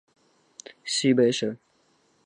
西北省